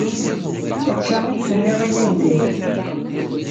Akka i d-tenniḍ ilindi.